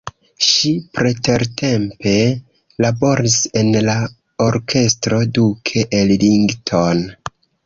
Ŝi pretertempe laboris en la Orkestro Duke Ellington.